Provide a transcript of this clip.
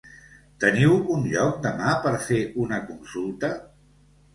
Teniu un lloc demà per fer una consulta?